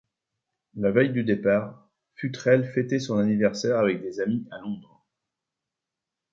La veille du départ, Futrelle fêtait son anniversaire avec des amis à Londres.